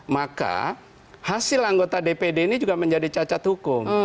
maka hasil anggota dpd ini juga menjadi cacat hukum